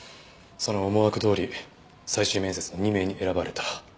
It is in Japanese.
その思惑どおり最終面接の２名に選ばれた。